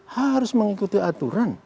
harus mengikuti aturan